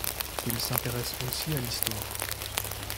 Il s’intéresse aussi à l’histoire.